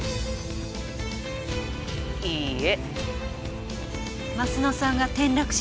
いいえ。